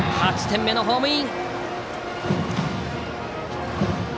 ８点目のホームイン！